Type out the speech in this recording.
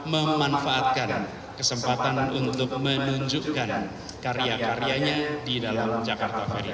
memanfaatkan kesempatan untuk menunjukkan karya karyanya di dalam jakarta fair